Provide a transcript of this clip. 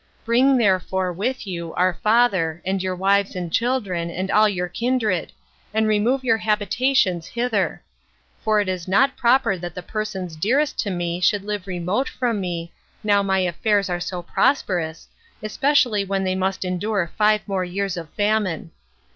Bring, therefore, with you our father, and your wives and children, and all your kindred, and remove your habitations hither; for it is not proper that the persons dearest to me should live remote from me, now my affairs are so prosperous, especially when they must endure five more years of famine."